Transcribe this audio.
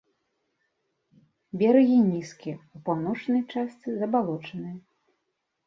Берагі нізкія, у паўночнай частцы забалочаныя.